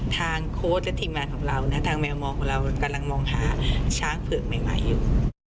โค้ดและทีมงานของเรานะทางแมวมองของเรากำลังมองหาช้างเผือกใหม่อยู่